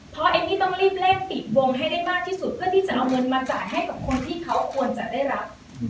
เพราะเอมมี่ต้องรีบเร่งปิดวงให้ได้มากที่สุดเพื่อที่จะเอาเงินมาจ่ายให้กับคนที่เขาควรจะได้รับ